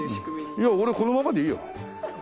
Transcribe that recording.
いや俺このままでいいよ。